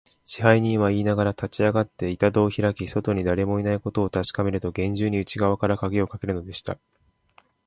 支配人はいいながら、立ちあがって、板戸をひらき、外にだれもいないことをたしかめると、げんじゅうに内がわからかぎをかけるのでした。